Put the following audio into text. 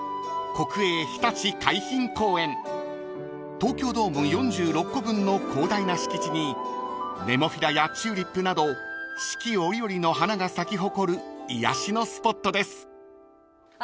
［東京ドーム４６個分の広大な敷地にネモフィラやチューリップなど四季折々の花が咲き誇る癒やしのスポットです］